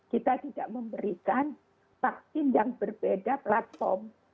kita tidak memberikan vaksin yang berbeda platform